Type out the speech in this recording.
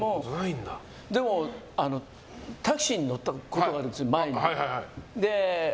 でも、タクシーに乗ったことがあるんです、前に。